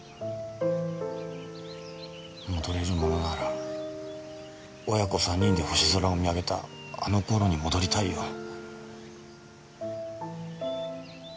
戻れるものなら親子３人で星空を見上げたあの頃に戻りたいよ。